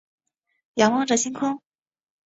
仰望着星空